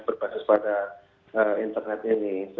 berbasis pada internet ini